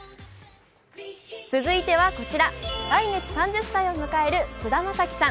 続いてはこちら、来月３０歳を迎える菅田将暉さん。